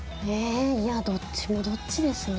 いやどっちもどっちですね。